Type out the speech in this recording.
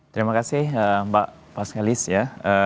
terima kasih mbak pascalis ya